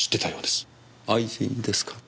愛人ですか？